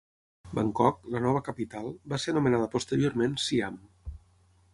Bangkok, la nova capital, va ser anomenada posteriorment Siam.